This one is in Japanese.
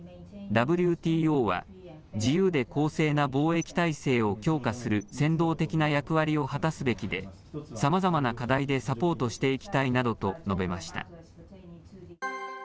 ＷＴＯは自由で公正な貿易体制を強化する先導的な役割を果たすべきで、さまざまな課題でサポートしていきたいなどと述べました。